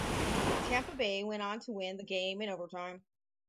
Tampa Bay went on to win the game in overtime.